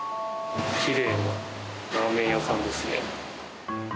きれいなラーメン屋さんですね。